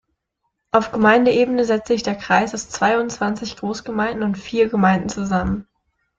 Auf Gemeindeebene setzt sich der Kreis aus zweiundzwanzig Großgemeinden und vier Gemeinden zusammen.